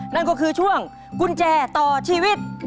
นั่นก็คือช่วงกุญแจต่อชีวิต